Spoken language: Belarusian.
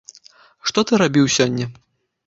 Што ты рабіў сёння?